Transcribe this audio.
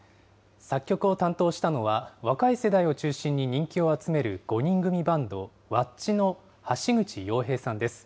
作曲を担当したのは、若い世代を中心に人気を集める５人組バンド、ｗａｃｃｉの橋口洋平さんです。